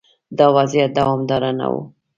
دا وضعیت دوامدار نه و.